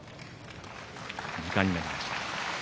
時間になりました。